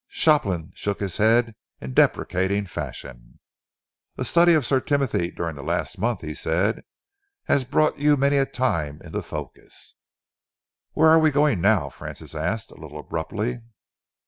Shopland shook his head in deprecating fashion. "A study of Sir Timothy during the last month," he said, "has brought you many a time into the focus." "Where are we going to now?" Francis asked, a little abruptly.